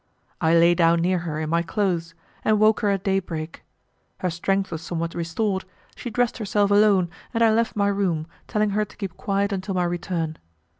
I lay down near her in my clothes, and woke her at day break. Her strength was somewhat restored, she dressed herself alone, and I left my room, telling her to keep quiet until my return.